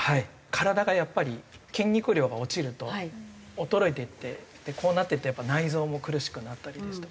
体がやっぱり筋肉量が落ちると衰えていってこうなってるとやっぱ内臓も苦しくなったりですとか。